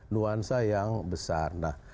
nuansa yang besar